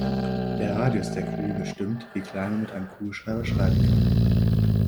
Der Radius der Kugel bestimmt, wie klein man mit einem Kugelschreiber schreiben kann.